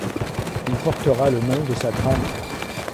Il portera le nom de sa tante.